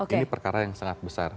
ini perkara yang sangat besar